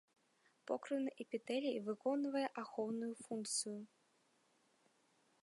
Покрыўны эпітэлій выконвае ахоўную функцыю.